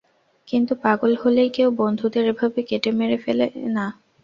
কিন্তু পাগল হলেই কেউ, বন্ধুদের এভাবে কেটে মেরে ফেলে না।